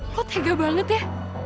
lo tega banget ya